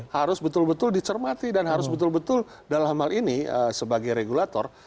harus betul betul dicermati dan harus betul betul dalam hal ini sebagai regulator